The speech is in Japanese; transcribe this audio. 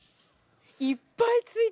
いっぱいついてる。